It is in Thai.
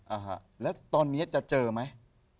อ่าฮะแล้วตอนนี้จะเจอไหม